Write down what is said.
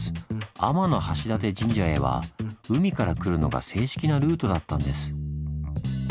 天橋立神社へは海から来るのが正式なルートだったんです。